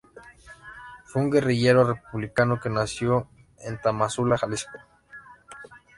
Fue un guerrillero republicano que nació en Tamazula, Jalisco.